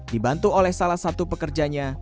dibantu oleh salah satu pekerjanya